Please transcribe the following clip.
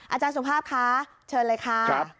อาจารย์สุภาพคะเชิญเลยค่ะ